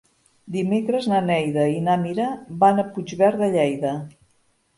Dimecres na Neida i na Mira van a Puigverd de Lleida.